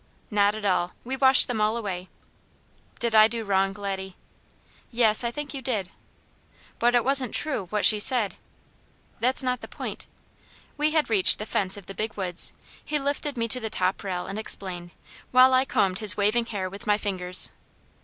"Not at all. We washed them all away." "Did I do wrong, Laddie?" "Yes, I think you did." "But it wasn't true, what she said." "That's not the point." We had reached the fence of the Big Woods. He lifted me to the top rail and explained, while I combed his waving hair with my fingers.